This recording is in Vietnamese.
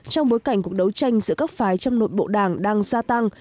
trong bối cảnh cuộc đấu tranh giữa các phái trong nội bộ đảng đang gia tăng